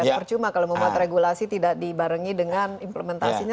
bukan percuma kalau membuat regulasi tidak dibarengi dengan implementasinya